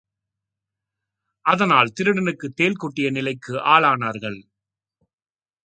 அதனால் திருடனுக்குத் தேள் கொட்டிய நிலைக்கு ஆளானார்கள்.